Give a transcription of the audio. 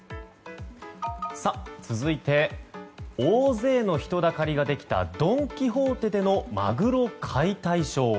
続いて、大勢の人だかりができたドン・キホーテでのマグロ解体ショー。